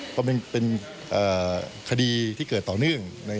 เพราะมันเป็นคดีที่เกิดต่อเนื่อง